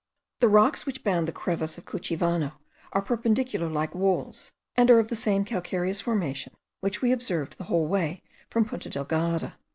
The rocks which bound the crevice of Cuchivano are perpendicular like walls, and are of the same calcareous formation which we observed the whole way from Punta Delgada.